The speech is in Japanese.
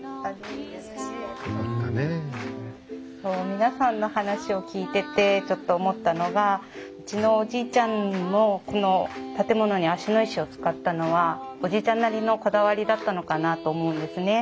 皆さんの話を聞いててちょっと思ったのがうちのおじいちゃんもこの建物に芦野石を使ったのはおじいちゃんなりのこだわりだったのかなと思うんですね。